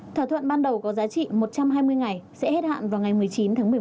thỏa thuận ban đầu có giá trị một trăm hai mươi ngày sẽ hết hạn vào ngày một mươi chín tháng một mươi một